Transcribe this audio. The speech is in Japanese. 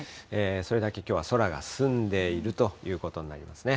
それだけきょうは空が澄んでいるということになりますね。